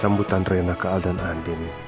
sambutan rena ke aldan andin